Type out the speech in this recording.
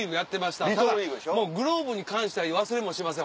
ただグローブに関しては忘れもしません